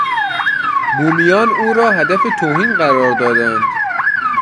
بومیان او را هدف توهین قرار دادند.